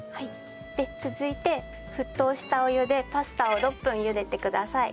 で続いて沸騰したお湯でパスタを６分茹でてください。